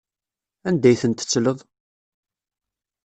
Anda ay ten-tettleḍ?